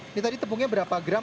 ini tadi tepungnya berapa gram